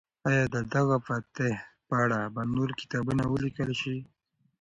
آیا د دغه فاتح په اړه به نور کتابونه ولیکل شي؟